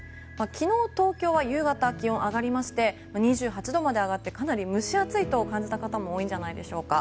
昨日、東京は夕方、気温が上がりまして２８度まで上がってかなり蒸し暑いと感じた方も多いのではないでしょうか。